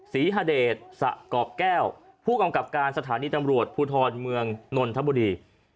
ศรีฮเดชสะกรอบแก้วผู้กำกับการสถานีตำรวจภูทรเมืองนนทบุรี